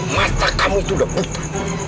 mata kamu itu udah putar